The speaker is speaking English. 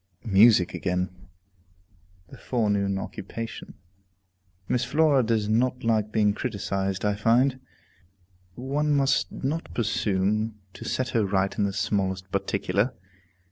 Music again, the forenoon occupation. Miss Flora does not like being criticized, I find. One must not presume to set her right in the smallest particular.